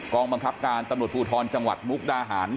บังคับการตำรวจภูทรจังหวัดมุกดาหาร